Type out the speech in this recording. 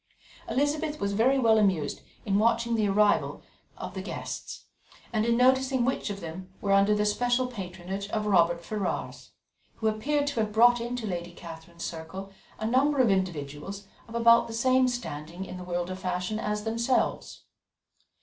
Elizabeth was very well amused in watching the arrival of the guests, and in noticing which of them were under the special patronage of the Robert Ferrars, who appeared to have brought into Lady Catherine's circle a number of individuals of about the same standing in the world of fashion as themselves.